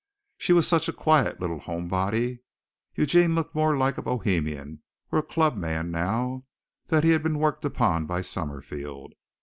She was such a quiet little home body. Eugene looked more like a Bohemian or a club man now that he had been worked upon by Summerfield.